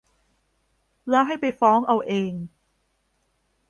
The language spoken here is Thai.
แล้วให้ไปฟ้องเอาเอง